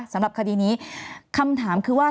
สำหรับคดีนี้คำถามคือว่า